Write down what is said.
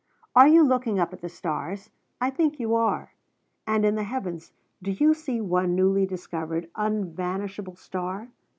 "Are you looking up at the stars? I think you are. And in the heavens do you see one newly discovered, unvanishable star?